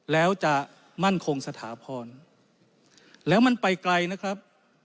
แล้วจะมั่นคงสถาพรแล้วมันไปไกลนะครับ